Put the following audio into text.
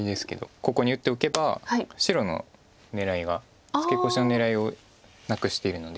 ここに打っておけば白の狙いがツケコシの狙いをなくしているので。